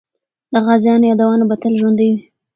د غازیانو یادونه به تل ژوندۍ وي.